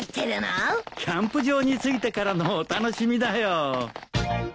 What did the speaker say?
キャンプ場に着いてからのお楽しみだよ。